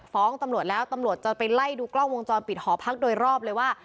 ฟ้องตำรวจแล้วตำรวจจะไปไล่ดูกล้องวงจรปิดหอพักโดยรอบเลยว่า